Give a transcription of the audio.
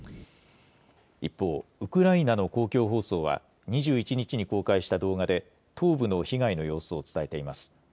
一方、ウクライナの公共放送は２１日に公開した動画で東部の被害の様子を伝えています。